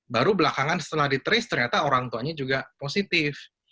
baru belakangan setelah di trace ternyata orang tuanya juga positif